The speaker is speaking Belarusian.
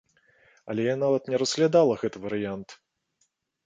Але я нават не разглядала гэты варыянт!